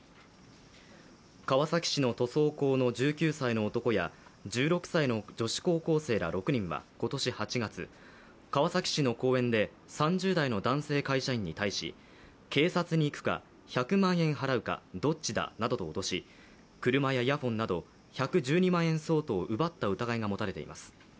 川崎市の塗装工の１９歳の男や１６歳の女子高校生ら６人は今年８月、川崎市の公園で３０代の男性会社員に対し警察に行くか、１００万円払うかどっちだなどと脅し車やイヤホンなど１１２万円相当を奪った疑いが持たれています。